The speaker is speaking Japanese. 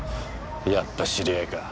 やっぱ知り合いか。